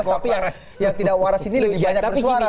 banyak kok yang tidak waras ini lebih banyak bersuara